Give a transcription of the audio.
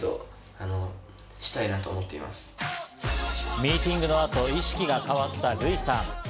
ミーティングの後、意識が変わったルイさん。